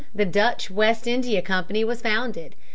In 1621 the Dutch West India Company was founded.